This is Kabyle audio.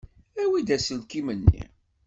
Awi-d aselkim-nni.